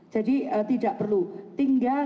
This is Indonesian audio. jadi tidak perlu tinggal